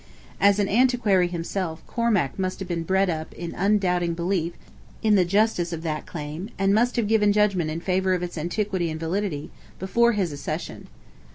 As an antiquary himself, Cormac must have been bred up in undoubting belief in the justice of that claim, and must have given judgment in favour of its antiquity and validity, before his accession.